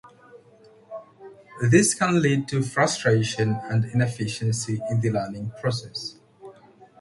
This can lead to frustration and inefficiency in the learning process.